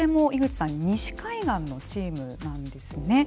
西海岸のチームなんですね。